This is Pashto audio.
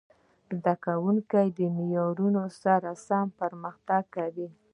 زده کوونکي د معیارونو سره سم پرمختګ کاوه.